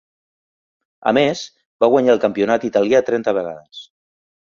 A més, va guanyar el campionat italià trenta vegades.